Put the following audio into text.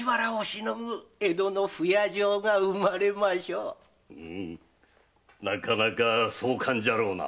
うむなかなか壮観じゃろうな。